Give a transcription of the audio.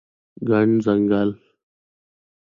ګڼ ځنګل